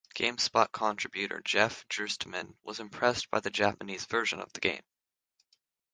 GameSpot contributor Jeff Gerstmann was impressed by the Japanese version of the game.